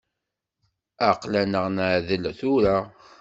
Aql-aneɣ neɛdel tura.